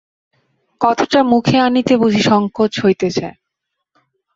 কথাটা মুখে আনিতে বুঝি সংকোচ হইতেছে!